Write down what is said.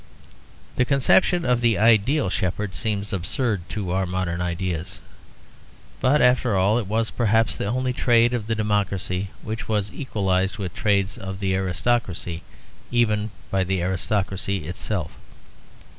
The conception of the Ideal Shepherd seems absurd to our modern ideas. But, after all, it was perhaps the only trade of the democracy which was equalized with the trades of the aristocracy even by the aristocracy itself.